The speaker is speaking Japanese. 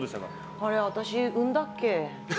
あれ私、産んだっけ？